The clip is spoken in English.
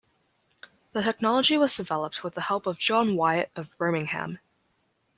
The technology was developed with the help of John Wyatt of Birmingham.